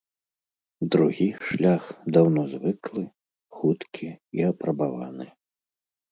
Другі шлях даўно звыклы, хуткі і апрабаваны.